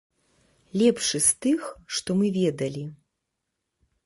Лепшы з тых, што мы ведалі.